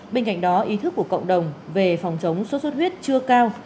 bên cạnh đó ý thức của cộng đồng về phòng chống sốt xuất huyết chưa cao